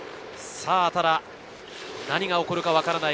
何が起こるか分からない